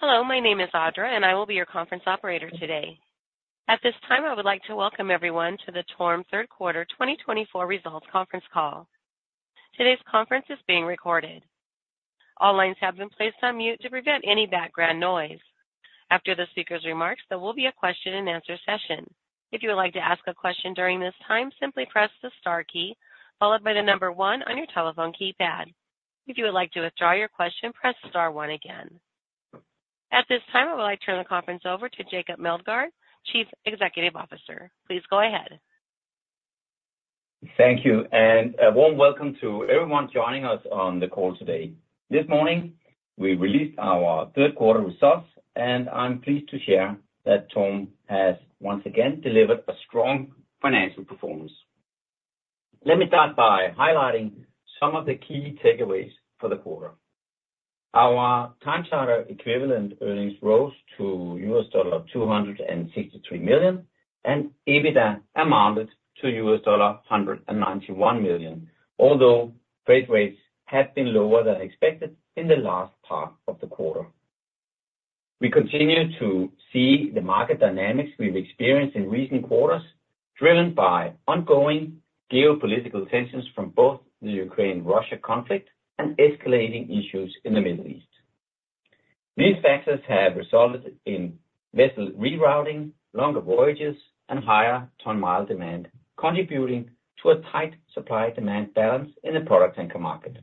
Hello. My name is Audra, and I will be your conference operator today. At this time, I would like to welcome everyone to the TORM third quarter 2024 results conference call. Today's conference is being recorded. All lines have been placed on mute to prevent any background noise. After the speaker's remarks, there will be a question-and-answer session. If you would like to ask a question during this time, simply press the star key followed by the number one on your telephone keypad. If you would like to withdraw your question, press star one again. At this time, I would like to turn the conference over to Jacob Meldgaard, Chief Executive Officer. Please go ahead. Thank you. And a warm welcome to everyone joining us on the call today. This morning, we released our third quarter results, and I'm pleased to share that TORM has once again delivered a strong financial performance. Let me start by highlighting some of the key takeaways for the quarter. Our time-charter equivalent earnings rose to $263 million, and EBITDA amounted to $191 million, although trade rates had been lower than expected in the last part of the quarter. We continue to see the market dynamics we've experienced in recent quarters, driven by ongoing geopolitical tensions from both the Ukraine-Russia conflict and escalating issues in the Middle East. These factors have resulted in vessel rerouting, longer voyages, and higher ton-mile demand, contributing to a tight supply-demand balance in the product tanker market.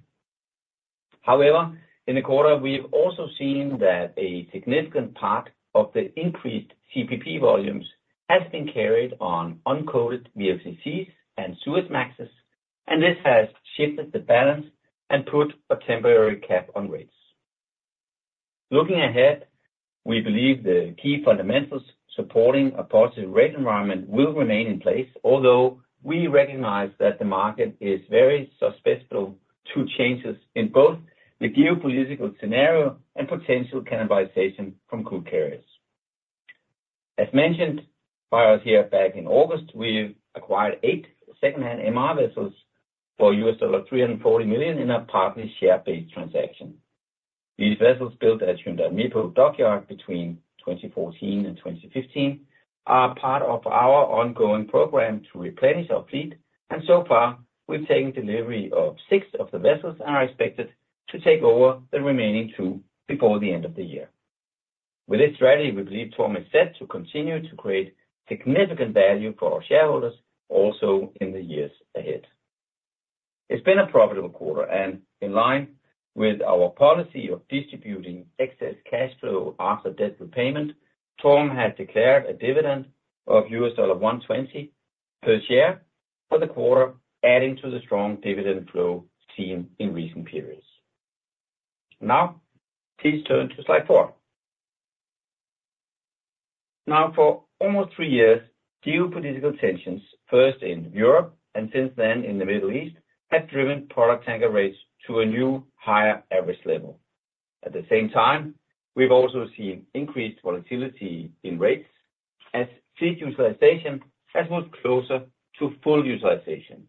However, in the quarter, we've also seen that a significant part of the increased CPP volumes has been carried on uncoated VLCCs and Suezmaxes, and this has shifted the balance and put a temporary cap on rates. Looking ahead, we believe the key fundamentals supporting a positive rate environment will remain in place, although we recognize that the market is very susceptible to changes in both the geopolitical scenario and potential cannibalization from crude carriers. As mentioned by us here back in August, we acquired eight second-hand MR vessels for $340 million in a partly share-based transaction. These vessels built at Hyundai Mipo Dockyard between 2014 and 2015 are part of our ongoing program to replenish our fleet, and so far, we've taken delivery of six of the vessels and are expected to take over the remaining two before the end of the year. With this strategy, we believe TORM is set to continue to create significant value for our shareholders also in the years ahead. It's been a profitable quarter, and in line with our policy of distributing excess cash flow after debt repayment, TORM has declared a dividend of $120 per share for the quarter, adding to the strong dividend flow seen in recent periods. Now, please turn to slide four. Now, for almost three years, geopolitical tensions, first in Europe and since then in the Middle East, have driven product tanker rates to a new higher average level. At the same time, we've also seen increased volatility in rates as fleet utilization has moved closer to full utilization.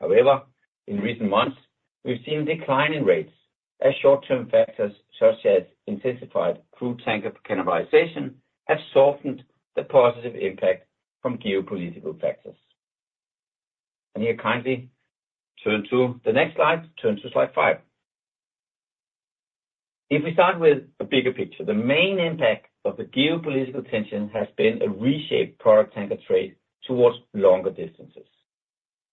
However, in recent months, we've seen a decline in rates as short-term factors such as intensified crude tanker cannibalization have softened the positive impact from geopolitical factors. And here, kindly turn to the next slide, turn to slide five. If we start with a bigger picture, the main impact of the geopolitical tension has been a reshaped product tanker trade towards longer distances.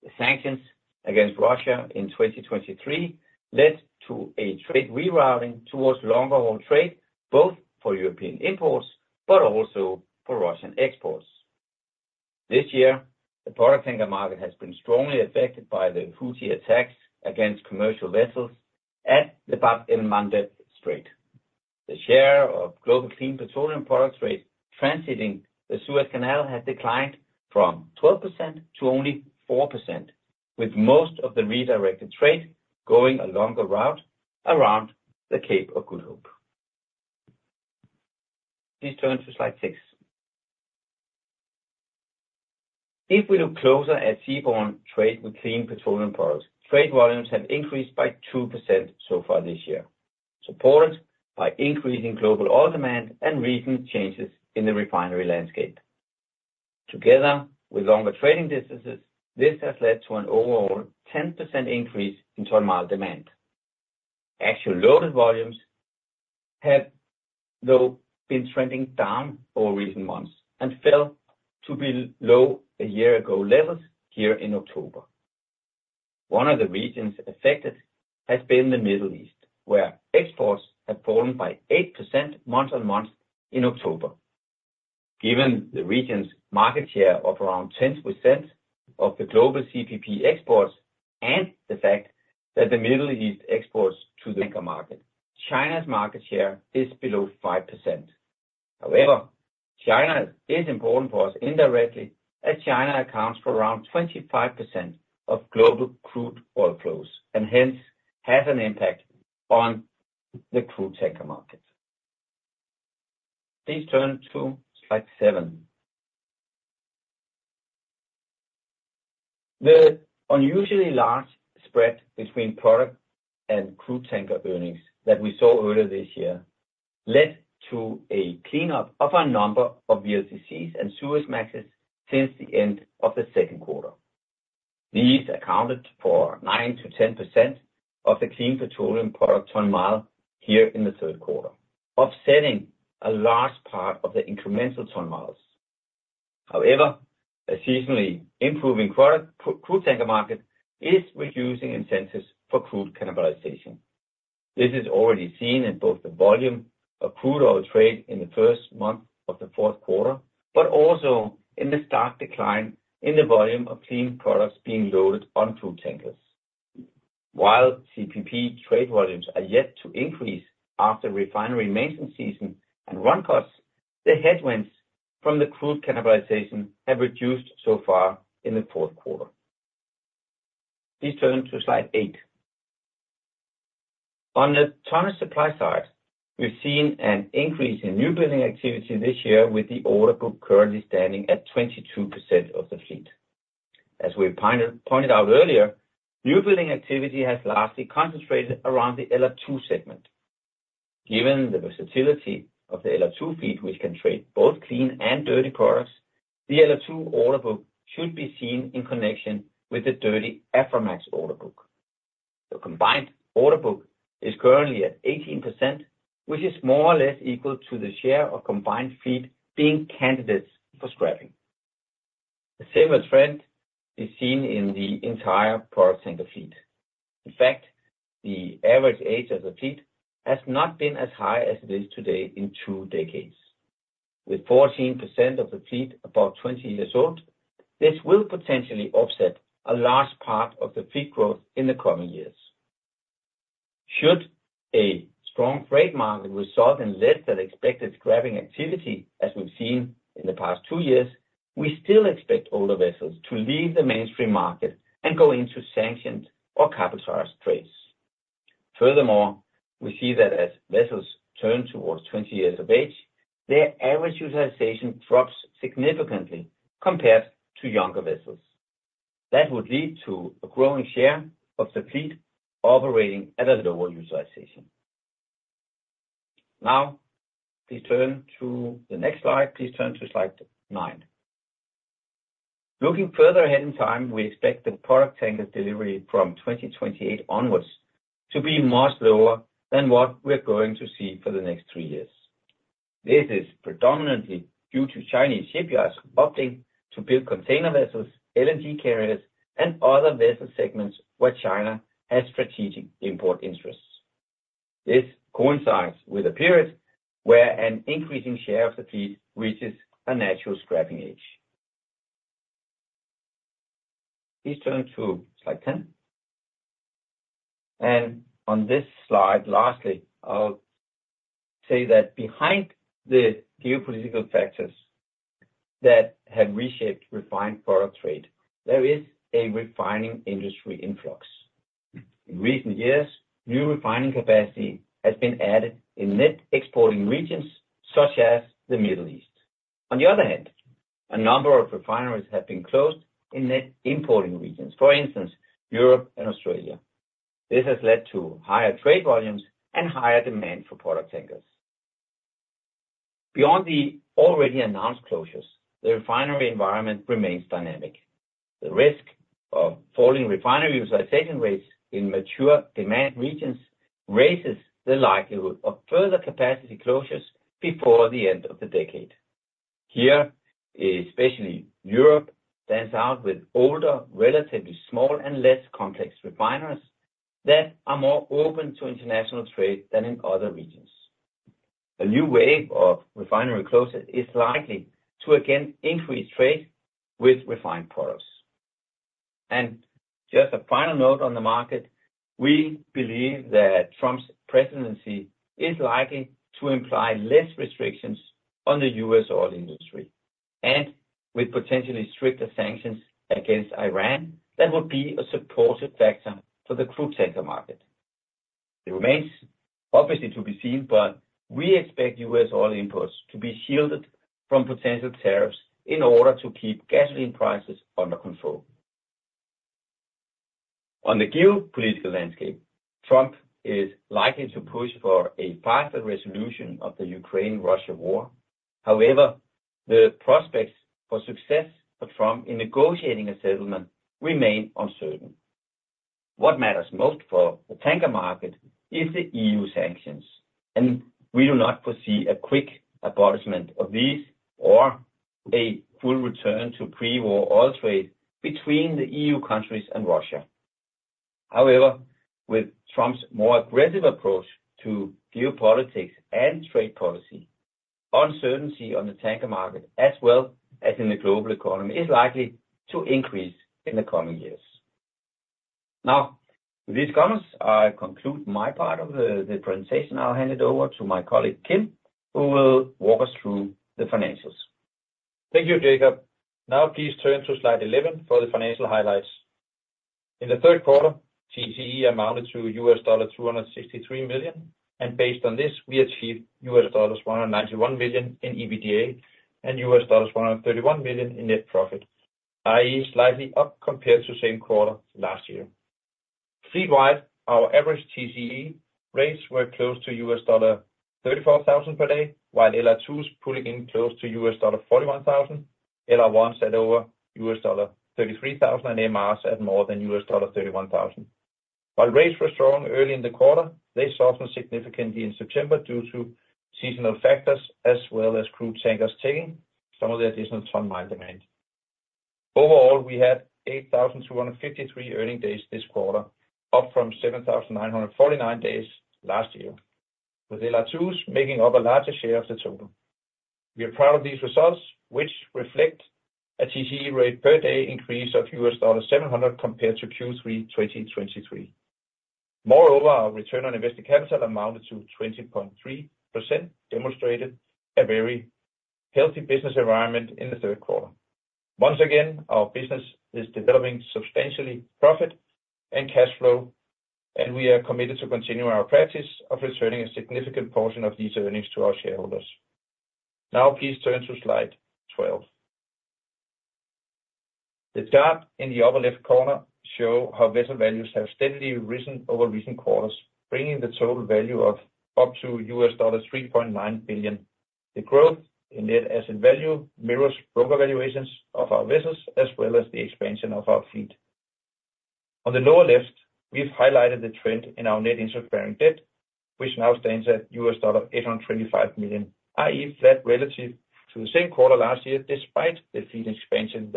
The sanctions against Russia in 2023 led to a trade rerouting towards longer-haul trade, both for European imports but also for Russian exports. This year, the product tanker market has been strongly affected by the Houthi attacks against commercial vessels at the Bab-el-Mandeb Strait. The share of global clean petroleum products rates transiting the Suez Canal has declined from 12% to only 4%, with most of the redirected trade going along the route around the Cape of Good Hope. Please turn to slide six. If we look closer at seaborne trade with clean petroleum products, trade volumes have increased by 2% so far this year, supported by increasing global oil demand and recent changes in the refinery landscape. Together with longer trading distances, this has led to an overall 10% increase in ton-mile demand. Actual loaded volumes have, though, been trending down over recent months and fell to below year-ago levels here in October. One of the regions affected has been the Middle East, where exports have fallen by 8% month-on-month in October. Given the region's market share of around 10% of the global CPP exports and the fact that the Middle East exports to the tanker market, China's market share is below 5%. However, China is important for us indirectly as China accounts for around 25% of global crude oil flows and hence has an impact on the crude tanker market. Please turn to slide seven. The unusually large spread between product and crude tanker earnings that we saw earlier this year led to a cleanup of a number of VLCCs and Suezmaxes since the end of the second quarter. These accounted for 9%-10% of the clean petroleum product ton-mile here in the third quarter, offsetting a large part of the incremental ton-miles. However, a seasonally improving product crude tanker market is reducing incentives for crude cannibalization. This is already seen in both the volume of crude oil trade in the first month of the fourth quarter, but also in the stark decline in the volume of clean products being loaded on crude tankers. While CPP trade volumes are yet to increase after refinery maintenance season and run cuts, the headwinds from the crude cannibalization have reduced so far in the fourth quarter. Please turn to slide eight. On the tonnage supply side, we've seen an increase in newbuilding activity this year, with the order book currently standing at 22% of the fleet. As we pointed out earlier, newbuilding activity has largely concentrated around the LR2 segment. Given the versatility of the LR2 fleet, which can trade both clean and dirty products, the LR2 order book should be seen in connection with the dirty Aframax order book. The combined order book is currently at 18%, which is more or less equal to the share of combined fleet being candidates for scrapping. A similar trend is seen in the entire product tanker fleet. In fact, the average age of the fleet has not been as high as it is today in two decades. With 14% of the fleet about 20 years old, this will potentially offset a large part of the fleet growth in the coming years. Should a strong trade market result in less-than-expected scrapping activity, as we've seen in the past two years, we still expect older vessels to leave the mainstream market and go into sanctioned or captive trades. Furthermore, we see that as vessels turn towards 20 years of age, their average utilization drops significantly compared to younger vessels. That would lead to a growing share of the fleet operating at a lower utilization. Now, please turn to the next slide. Please turn to slide nine. Looking further ahead in time, we expect the product tanker delivery from 2028 onwards to be much lower than what we're going to see for the next three years. This is predominantly due to Chinese shipyards opting to build container vessels, LNG carriers, and other vessel segments where China has strategic import interests. This coincides with a period where an increasing share of the fleet reaches a natural scrapping age. Please turn to slide 10. On this slide, lastly, I'll say that behind the geopolitical factors that have reshaped refined product trade, there is a refining industry in flux. In recent years, new refining capacity has been added in net exporting regions such as the Middle East. On the other hand, a number of refineries have been closed in net importing regions, for instance, Europe and Australia. This has led to higher trade volumes and higher demand for product tankers. Beyond the already announced closures, the refinery environment remains dynamic. The risk of falling refinery utilization rates in mature demand regions raises the likelihood of further capacity closures before the end of the decade. Here, especially Europe stands out with older, relatively small, and less complex refineries that are more open to international trade than in other regions. A new wave of refinery closures is likely to again increase trade with refined products. And just a final note on the market, we believe that Trump's presidency is likely to imply less restrictions on the U.S. oil industry, and with potentially stricter sanctions against Iran, that would be a supportive factor for the crude tanker market. It remains obviously to be seen, but we expect U.S. oil imports to be shielded from potential tariffs in order to keep gasoline prices under control. On the geopolitical landscape, Trump is likely to push for a faster resolution of the Ukraine-Russia war. However, the prospects for success for Trump in negotiating a settlement remain uncertain. What matters most for the tanker market is the EU sanctions, and we do not foresee a quick abolishment of these or a full return to pre-war oil trade between the EU countries and Russia. However, with Trump's more aggressive approach to geopolitics and trade policy, uncertainty on the tanker market as well as in the global economy is likely to increase in the coming years. Now, with these comments, I conclude my part of the presentation. I'll hand it over to my colleague Kim, who will walk us through the financials. Thank you, Jacob. Now, please turn to slide 11 for the financial highlights. In the third quarter, TCE amounted to $263 million, and based on this, we achieved $191 million in EBITDA and $131 million in net profit, i.e., slightly up compared to the same quarter last year. Fleet-wide, our average TCE rates were close to $34,000 per day, while LR2s pulling in close to $41,000. LR1s at over $33,000 and MRs at more than $31,000. While rates were strong early in the quarter, they softened significantly in September due to seasonal factors as well as crude tankers taking some of the additional ton-mile demand. Overall, we had 8,253 earning days this quarter, up from 7,949 days last year, with LR2s making up a larger share of the total. We are proud of these results, which reflect a TCE rate per day increase of $700 compared to Q3 2023. Moreover, our return on invested capital amounted to 20.3%, demonstrating a very healthy business environment in the third quarter. Once again, our business is developing substantially profit and cash flow, and we are committed to continue our practice of returning a significant portion of these earnings to our shareholders. Now, please turn to slide 12. The chart in the upper left corner shows how vessel values have steadily risen over recent quarters, bringing the total value up to $3.9 billion. The growth in net asset value mirrors broker valuations of our vessels as well as the expansion of our fleet. On the lower left, we've highlighted the trend in our net interest-bearing debt, which now stands at $825 million, i.e., flat relative to the same quarter last year despite the fleet expansion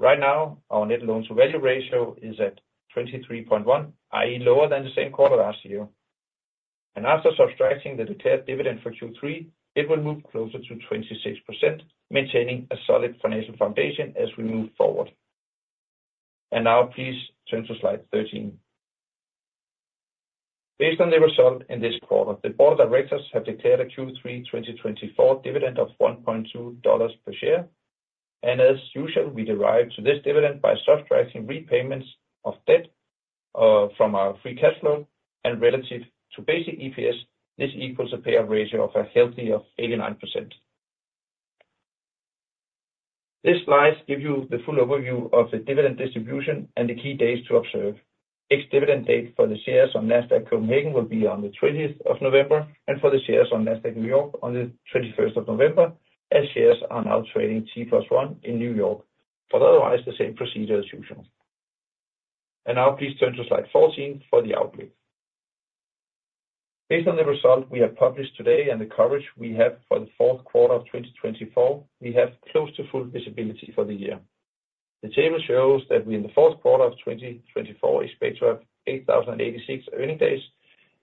that we've made. Right now, our net loan-to-value ratio is at 23.1, i.e., lower than the same quarter last year. After subtracting the declared dividend for Q3, it will move closer to 26%, maintaining a solid financial foundation as we move forward. Now, please turn to slide 13. Based on the result in this quarter, the board of directors have declared a Q3 2024 dividend of $1.2 per share. As usual, we derive this dividend by subtracting repayments of debt from our free cash flow and relative to basic EPS. This equals a payout ratio of a healthy 89%. This slide gives you the full overview of the dividend distribution and the key days to observe. Ex-dividend date for the shares on Nasdaq Copenhagen will be on the 20th of November, and for the shares on Nasdaq New York on the 21st of November, as shares are now trading T plus one in New York. Otherwise, the same procedure as usual. Now, please turn to slide 14 for the outlook. Based on the result we have published today and the coverage we have for the fourth quarter of 2024, we have close to full visibility for the year. The table shows that we in the fourth quarter of 2024 expect to have 8,086 earning days,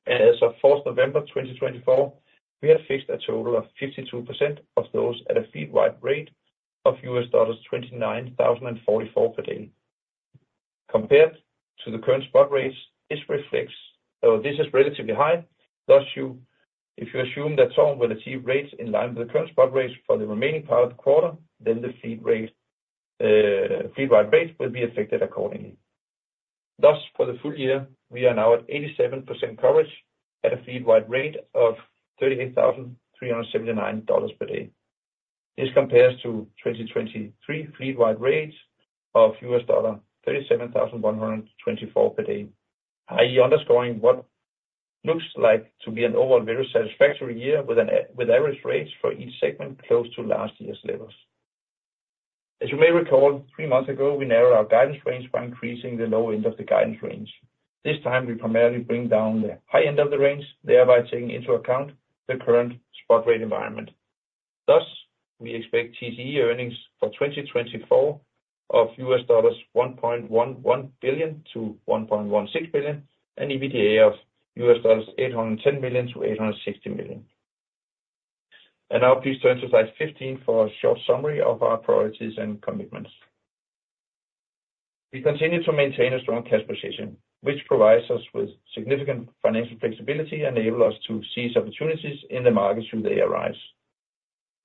and as of 4th November 2024, we have fixed a total of 52% of those at a fleet-wide rate of $29,044 per day. Compared to the current spot rates, this reflects, though this is relatively high, thus if you assume that them will achieve rates in line with the current spot rates for the remaining part of the quarter, then the fleet-wide rate will be affected accordingly. Thus, for the full year, we are now at 87% coverage at a fleet-wide rate of $38,379 per day. This compares to 2023 fleet-wide rates of $37,124 per day, i.e., underscoring what looks like to be an overall very satisfactory year with average rates for each segment close to last year's levels. As you may recall, three months ago, we narrowed our guidance range by increasing the low end of the guidance range. This time, we primarily bring down the high end of the range, thereby taking into account the current spot rate environment. Thus, we expect TCE earnings for 2024 of $1.11 billion-$1.16 billion and EBITDA of $810 million-$860 million. And now, please turn to slide 15 for a short summary of our priorities and commitments. We continue to maintain a strong cash position, which provides us with significant financial flexibility and enables us to seize opportunities in the market should they arise.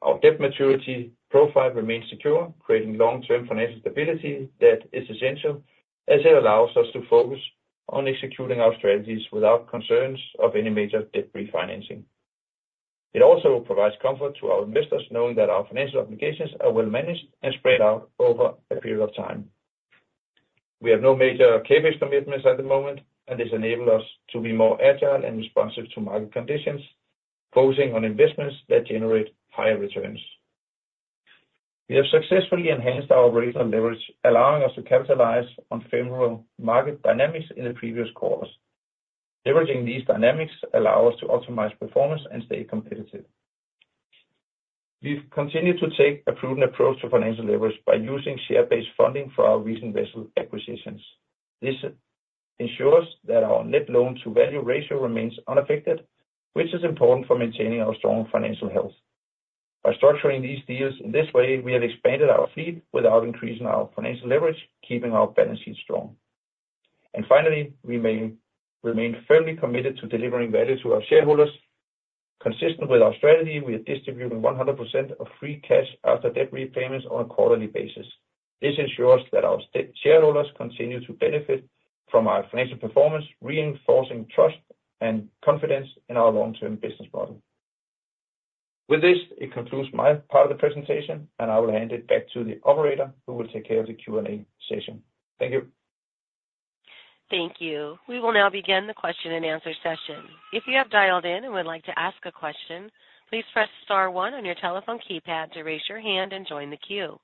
Our debt maturity profile remains secure, creating long-term financial stability that is essential as it allows us to focus on executing our strategies without concerns of any major debt refinancing. It also provides comfort to our investors, knowing that our financial obligations are well-managed and spread out over a period of time. We have no major capex commitments at the moment, and this enables us to be more agile and responsive to market conditions, focusing on investments that generate higher returns. We have successfully enhanced our original leverage, allowing us to capitalize on favorable market dynamics in the previous quarters. Leveraging these dynamics allows us to optimize performance and stay competitive. We've continued to take a prudent approach to financial leverage by using share-based funding for our recent vessel acquisitions. This ensures that our net loan-to-value ratio remains unaffected, which is important for maintaining our strong financial health. By structuring these deals in this way, we have expanded our fleet without increasing our financial leverage, keeping our balance sheet strong, and finally, we may remain firmly committed to delivering value to our shareholders. Consistent with our strategy, we are distributing 100% of free cash after debt repayments on a quarterly basis. This ensures that our shareholders continue to benefit from our financial performance, reinforcing trust and confidence in our long-term business model. With this, it concludes my part of the presentation, and I will hand it back to the operator who will take care of the Q&A session. Thank you. Thank you. We will now begin the question and answer session. If you have dialed in and would like to ask a question, please press star one on your telephone keypad to raise your hand and join the queue.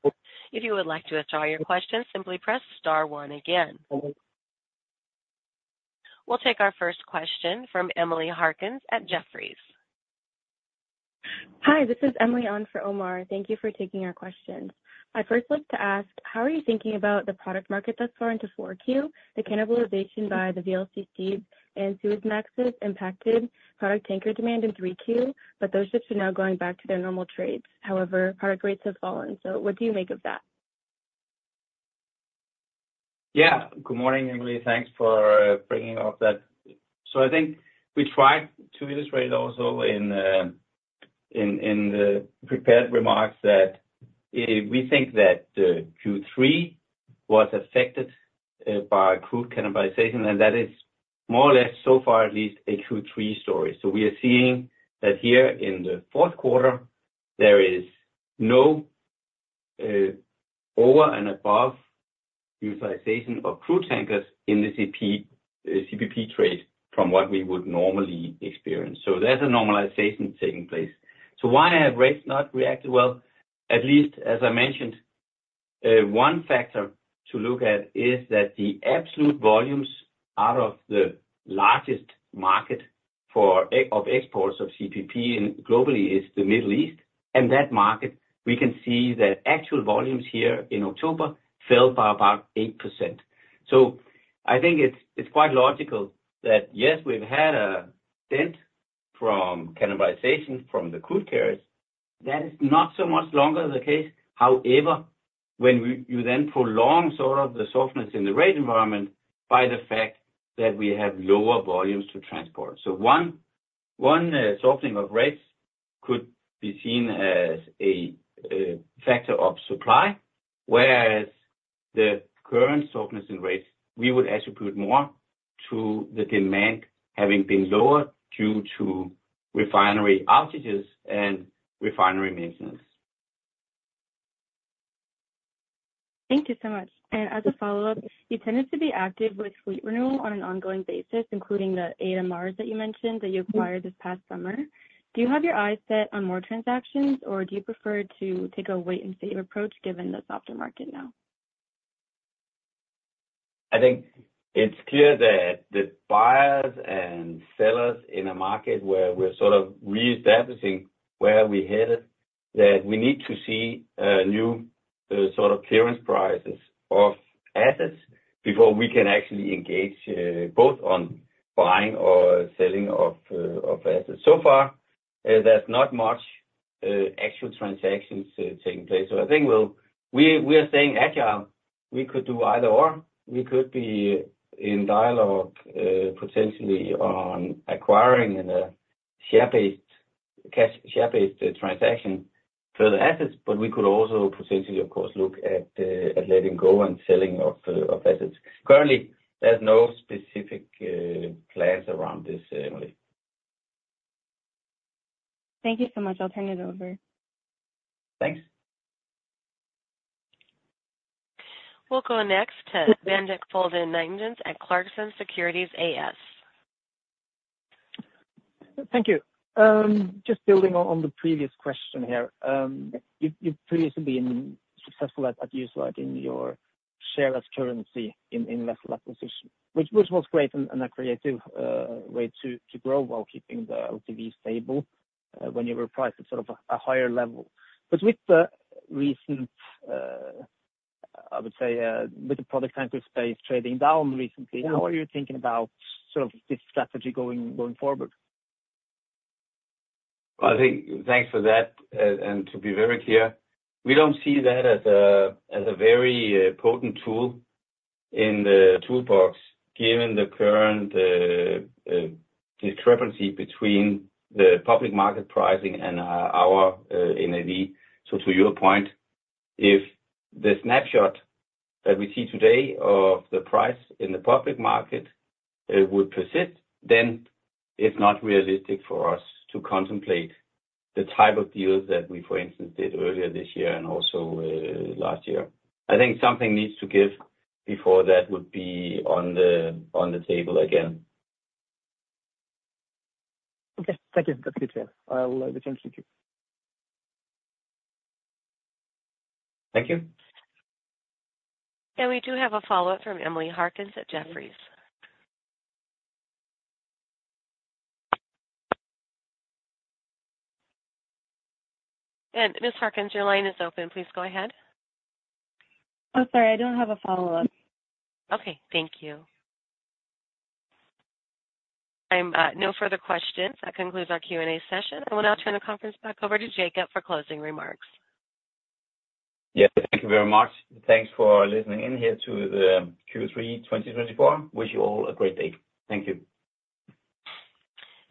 If you would like to withdraw your question, simply press star one again. We'll take our first question from Emily Harkins at Jefferies. Hi, this is Emily on for Omar. Thank you for taking our questions. I first like to ask, how are you thinking about the product market that's gone to 4Q? The cannibalization by the VLCCs and Suezmaxes impacted product tanker demand in 3Q, but those ships are now going back to their normal trades. However, product rates have fallen. So what do you make of that? Yeah, good morning, Emily. Thanks for bringing up that. So I think we tried to illustrate also in the prepared remarks that we think that Q3 was affected by crude cannibalization, and that is more or less, so far at least, a Q3 story. So we are seeing that here in the fourth quarter, there is no over and above utilization of crude tankers in the CPP trade from what we would normally experience. So there's a normalization taking place. So why have rates not reacted well? At least, as I mentioned, one factor to look at is that the absolute volumes out of the largest market of exports of CPP globally is the Middle East. In that market, we can see that actual volumes here in October fell by about 8%. So I think it's quite logical that, yes, we've had a dent from cannibalization from the crude carriers. That is not so much longer the case. However, when you then prolong sort of the softness in the rate environment by the fact that we have lower volumes to transport. So, one softening of rates could be seen as a factor of supply, whereas the current softness in rates, we would attribute more to the demand having been lower due to refinery outages and refinery maintenance. Thank you so much. As a follow-up, you tended to be active with fleet renewal on an ongoing basis, including the MRs that you mentioned that you acquired this past summer. Do you have your eyes set on more transactions, or do you prefer to take a wait-and-see approach given the softer market now? I think it's clear that the buyers and sellers in a market where we're sort of reestablishing where we're headed, that we need to see new sort of clearance prices of assets before we can actually engage both on buying or selling of assets. So far, there's not much actual transactions taking place. I think we are staying agile. We could do either/or. We could be in dialogue potentially on acquiring a share-based transaction for the assets, but we could also potentially, of course, look at letting go and selling of assets. Currently, there's no specific plans around this, Emily. Thank you so much. I'll turn it over. Thanks. We'll go next to Bendik Følden Nyttingnes at Clarksons Securities AS. Thank you. Just building on the previous question here, you've previously been successful at using your share as currency in vessel acquisition, which was great and a creative way to grow while keeping the LTV stable when you were priced at sort of a higher level. But with the recent, I would say, with the product tankers' space trading down recently, how are you thinking about sort of this strategy going forward? Well, I think thanks for that. And to be very clear, we don't see that as a very potent tool in the toolbox, given the current discrepancy between the public market pricing and our NAV. So to your point, if the snapshot that we see today of the price in the public market would persist, then it's not realistic for us to contemplate the type of deals that we, for instance, did earlier this year and also last year. I think something needs to give before that would be on the table again. Okay. Thank you. That's good to hear. I'll return to you. Thank you. And we do have a follow-up from Emily Harkins at Jefferies. And Ms. Harkins, your line is open. Please go ahead. Oh, sorry. I don't have a follow-up. Okay. Thank you. No further questions. That concludes our Q&A session. I will now turn the conference back over to Jacob for closing remarks. Yes. Thank you very much. Thanks for listening in here to the Q3 2024. Wish you all a great day. Thank you.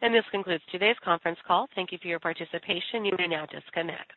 And this concludes today's conference call. Thank you for your participation. You may now disconnect.